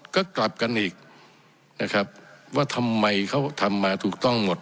ก็กลับกันอีกนะครับว่าทำไมเขาทำมาถูกต้องหมด